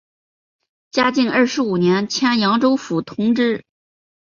嘉靖二十五年迁扬州府同知。